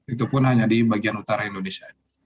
itu pun hanya di bagian utara indonesia